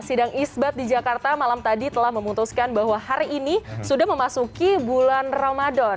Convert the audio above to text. sidang isbat di jakarta malam tadi telah memutuskan bahwa hari ini sudah memasuki bulan ramadan